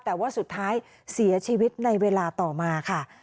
แต่ว่าสุดท้ายเสียชีวิตในเวลาต่อมาค่ะ